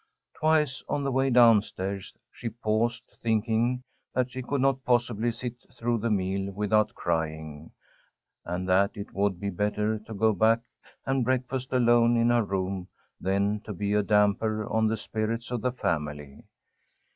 Twice on the way down stairs she paused, thinking that she could not possibly sit through the meal without crying, and that it would be better to go back and breakfast alone in her room than to be a damper on the spirits of the family.